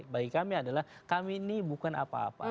bagi kami adalah kami ini bukan apa apa